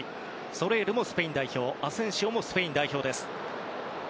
ソレールもスペイン代表アセンシオもスペイン代表です。